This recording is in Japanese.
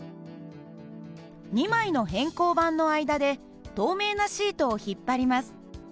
２枚の偏光板の間で透明なシートを引っ張ります。